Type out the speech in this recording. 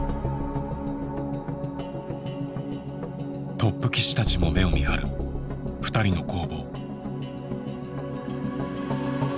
トップ棋士たちも目をみはる２人の攻防。